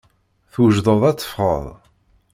Twejdeḍ ad teffɣeḍ?